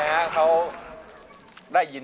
ครับมีแฟนเขาเรียกร้อง